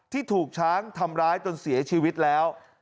ที่ถูกช้างทำร้ายจนเสียชีวิตแล้ว